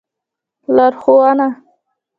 لار ښوونه